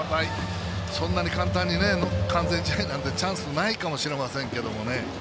そんなに簡単に完全試合なんてチャンスないかもしれませんけどもね。